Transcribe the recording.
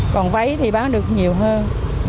còn váy thì bán được nhiều hơn